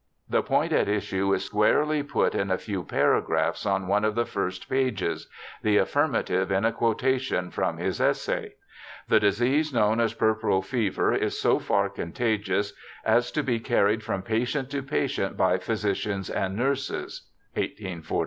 The point at issue is squarely put in a few paragraphs on one of the first pages ; the affirmative in a quotation from his essay :' The disease known as puerperal fever is so far contagious as to be carried from patient to patient by physicians and nurses ' (1843).